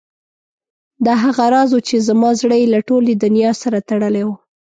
دا هغه راز و چې زما زړه یې له ټولې دنیا سره تړلی و.